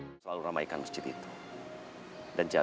dan kembali untuk selamanya